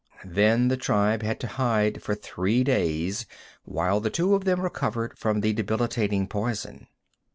Then the tribe had to hide for three days while the two of them recovered from the debilitating poison.